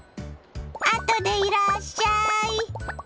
あとでいらっしゃい。